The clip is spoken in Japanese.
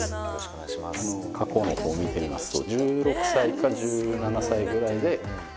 過去の方見てみますと。